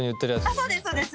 あっそうですそうです！